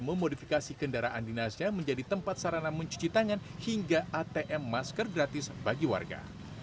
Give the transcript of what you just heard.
memodifikasi kendaraan dinasnya menjadi tempat sarana mencuci tangan hingga atm masker gratis bagi warga